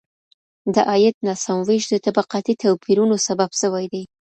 د عايد ناسم ويش د طبقاتي توپيرونو سبب سوی دی.